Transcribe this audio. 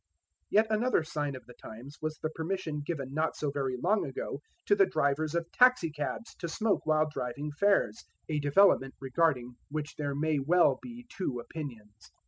Yet another sign of the times was the permission given not so very long ago to the drivers of taxi cabs to smoke while driving fares a development regarding which there may well be two opinions.